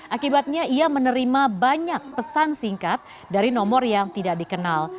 akibatnya ia menerima banyak pesan singkat dari nomor yang tidak dikenal